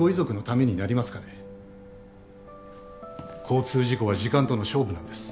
交通事故は時間との勝負なんです。